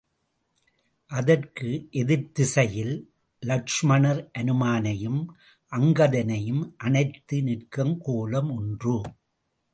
அதற்கு எதிர்திசையில், லக்ஷ்மணர் அனுமனையும் அங்கதனையும் அணைத்து நிற்கும் கோலம் ஒன்று.